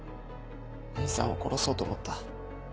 兄さんを殺そうと思った。